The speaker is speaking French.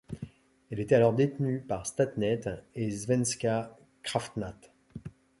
Elle était alors détenue par Statnett et Svenska Kraftnät.